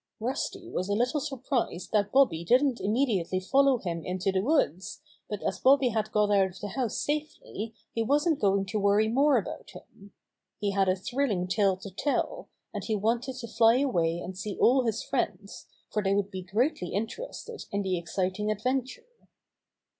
Rusty was a little surprised that Bobby didn't immediately follow him in the woods, but as Bobby had got out of the house safely he wasn't going to worry more about him. He had a thrilling tale to tell, and he wanted to fly away and see all his friends, for they would be greatly interested in the exciting ad venture.